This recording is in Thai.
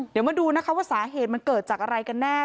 เดี๋ยวมาดูนะคะว่าสาเหตุมันเกิดจากอะไรกันแน่